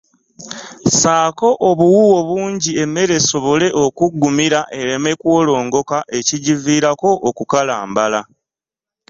Ssaako obuwuuwo bungi emmere esobole okuggumira ereme kuwolongoka ekigiviiramu okukalambala.